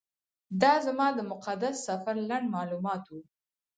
دا زما د مقدس سفر لنډ معلومات و.